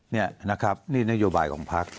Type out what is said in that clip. นี่นะครับนี่นโยบายของพัก